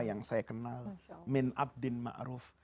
yang saya kenal min abdin ma'ruf